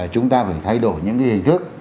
chúng ta phải thay đổi những cái hình thức